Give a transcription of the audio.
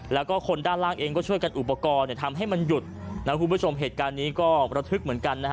แล้วก็คนด้านล่างเองก็ช่วยกันอุปกรณ์เนี่ยทำให้มันหยุดนะคุณผู้ชมเหตุการณ์นี้ก็ประทึกเหมือนกันนะฮะ